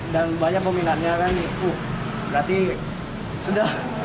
dan banyak peminatnya berarti sudah